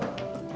ter itu enak ya